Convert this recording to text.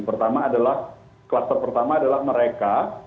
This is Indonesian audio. pertama adalah kluster pertama adalah mereka